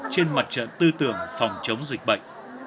trên mặt trận tư tưởng phòng chống dịch bệnh